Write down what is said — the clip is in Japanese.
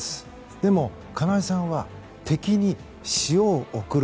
でも、金井さんは敵に塩を送る。